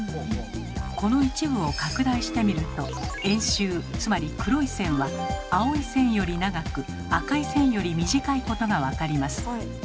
この一部を拡大してみると円周つまり黒い線は青い線より長く赤い線より短いことが分かります。